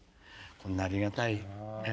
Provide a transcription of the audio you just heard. こんなありがたい